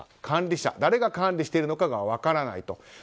管理者、誰が管理してるのかが分からないと。